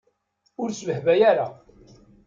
Ur sbehbay ara.